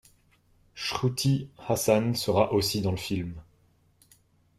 Shruti Hassan sera aussi dans le film.